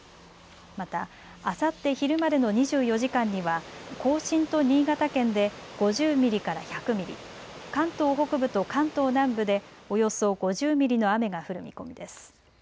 また、あさって昼までの２４時間には甲信と新潟県で５０ミリから１００ミリ、関東北部と関東南部でおよそ５０ミリの雨が降る見込みです。